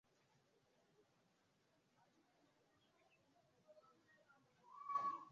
Comoro na kutandawaa kwenye dola za bara na kuingia ndani hadi Kongo Mashariki ya